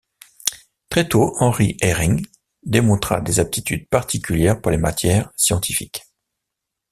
Très tôt Henry Eyring démontra des aptitudes particulières pour les matières scientifiques.